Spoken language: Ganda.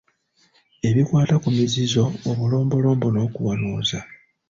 Ebikwata ku mizizo obulombolombo n'okuwanuuza.